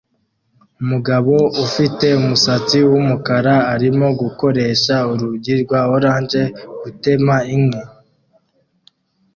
Umugabo ufite umusatsi wumukara arimo gukoresha urunigi rwa orange gutema inkwi